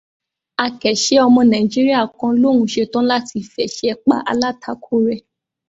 Akẹ̀ṣẹ́ ọmọ Nàìjíríà kan lóun ṣetán láti f'ẹ̀ṣẹ́ pa alátakò rẹ̀.